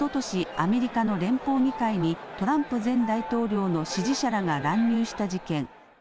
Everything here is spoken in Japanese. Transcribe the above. アメリカの連邦議会にトランプ前大統領の支持者らが乱入した事件。